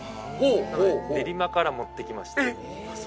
練馬から持ってきました。